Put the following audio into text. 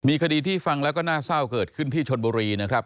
มีคดีที่ฟังแล้วก็น่าเศร้าเกิดขึ้นที่ชนบุรีนะครับ